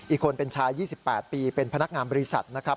อีกคนเป็นชาย๒๘ปีเป็นพนักงานบริษัทนะครับ